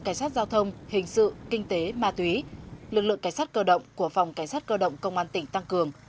cảnh sát giao thông hình sự kinh tế ma túy lực lượng cảnh sát cơ động của phòng cảnh sát cơ động công an tỉnh tăng cường